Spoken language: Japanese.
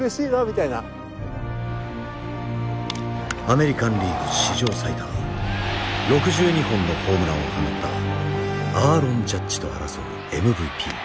アメリカンリーグ史上最多６２本のホームランを放ったアーロン・ジャッジと争うＭＶＰ。